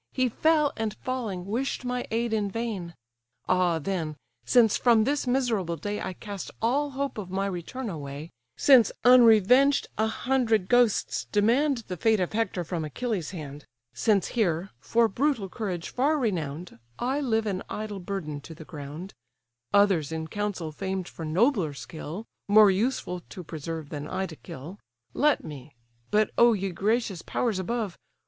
He fell, and falling, wish'd my aid in vain. Ah then, since from this miserable day I cast all hope of my return away; Since, unrevenged, a hundred ghosts demand The fate of Hector from Achilles' hand; Since here, for brutal courage far renown'd, I live an idle burden to the ground, (Others in council famed for nobler skill, More useful to preserve, than I to kill,) Let me—But oh! ye gracious powers above!